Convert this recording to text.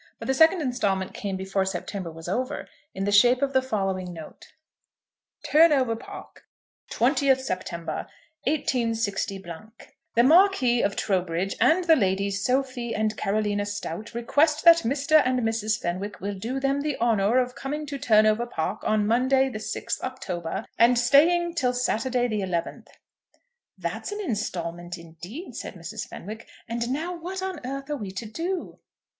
But the second instalment came before September was over in the shape of the following note: Turnover Park, 20th September, 186 . The Marquis of Trowbridge and the Ladies Sophie and Carolina Stowte request that Mr. and Mrs. Fenwick will do them the honour of coming to Turnover Park on Monday the 6th October, and staying till Saturday the 11th. "That's an instalment indeed," said Mrs. Fenwick. "And now what on earth are we to do?"